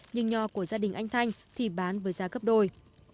nhưng nho của gia đình anh thanh thì bán với giá gấp đôi